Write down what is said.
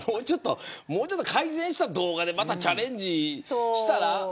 もうちょっと改善した動画でまたチャレンジしたら。